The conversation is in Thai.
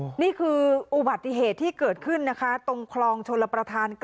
นี่คืออุบัติเหตุที่เกิดขึ้นนะคะตรงคลองชลประธาน๙